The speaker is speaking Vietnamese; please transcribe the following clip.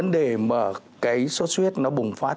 để mà cái suốt huyết nó bùng phát